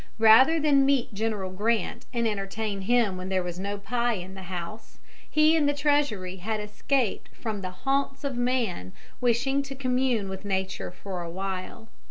Rather than meet General Grant and entertain him when there was no pie in the house, he and the Treasury had escaped from the haunts of man, wishing to commune with nature for a while.